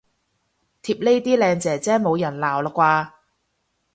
貼呢啲靚姐姐冇人鬧喇啩